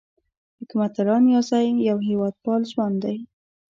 حکمت الله نیازی یو هېواد پال ځوان دی